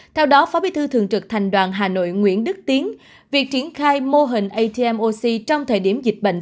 theo đó phó bí thư thường trực thành đoàn hà nội nguyễn đức tiến việc triển khai mô hình atmoc trong thời điểm dịch bệnh